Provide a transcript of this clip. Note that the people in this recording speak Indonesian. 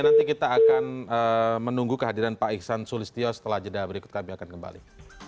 nanti kita akan menunggu kehadiran pak iksan sulistyo setelah jeda berikut kami akan kembali